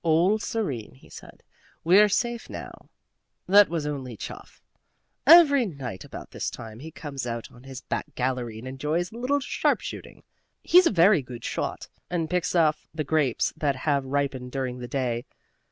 "All serene," he said. "We're safe now. That was only Chuff. Every night about this time he comes out on his back gallery and enjoys a little sharp shooting. He's a very good shot, and picks off the grapes that have ripened during the day.